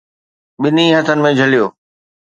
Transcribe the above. ٻنهي هٿن ۾ جهليو.